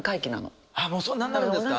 もうそんなになるんですか？